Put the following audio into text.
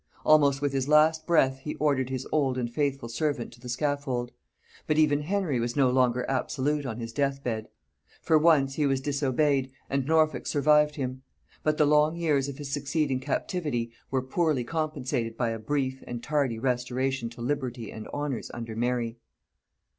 Almost with his last breath he ordered his old and faithful servant to the scaffold; but even Henry was no longer absolute on his death bed. For once he was disobeyed, and Norfolk survived him; but the long years of his succeeding captivity were poorly compensated by a brief and tardy restoration to liberty and honors under Mary.